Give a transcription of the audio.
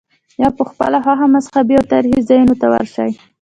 یا په خپله خوښه مذهبي او تاریخي ځایونو ته ورشې.